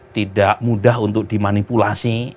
tidak mudah untuk dimanipulasi